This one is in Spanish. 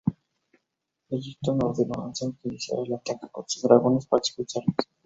Wellington ordenó a Anson que iniciara el ataque con sus dragones para expulsarlos.